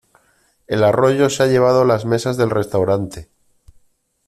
El arroyo se ha llevado las mesas del restaurante.